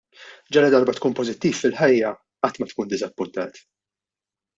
Ġaladarba tkun pożittiv fil-ħajja, qatt ma tkun iddiżappuntat.